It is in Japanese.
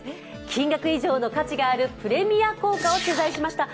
金額以上の価値があるプレミア硬貨を取材しました。